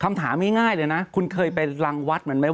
คำถามง่ายเลยนะคุณเคยไปรังวัดมันไหม